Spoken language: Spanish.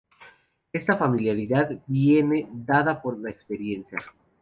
Esta familiaridad viene dada por la experiencia.